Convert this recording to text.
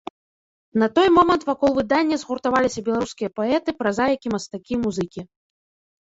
На той момант вакол выдання згуртаваліся беларускія паэты, празаікі, мастакі, музыкі.